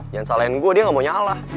jangan salahin gue dia gak mau nyalah